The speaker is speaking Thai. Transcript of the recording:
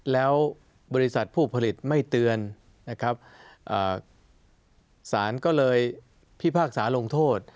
แล้วบริษัทผู้ผลิตไม่เตือนนะครับสารก็เลยพิพากษาลงโทษ